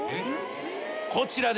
こちらです。